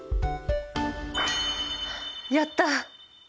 やった！